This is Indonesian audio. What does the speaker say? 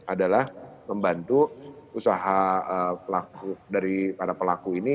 adalah membantu usaha pelaku dari para pelaku ini